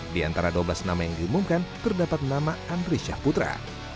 di antara dua belas nama yang diumumkan terdapat nama andri syahputra